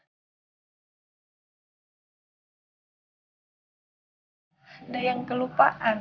ada yang kelupaan